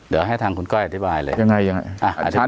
เดี๋ยวให้ทางคุณก้อยอธิบายเลยยังไง